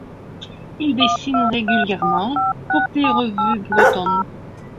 Il dessine régulièrement pour des revues bretonnes.